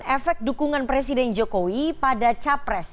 efek dukungan presiden jokowi pada capres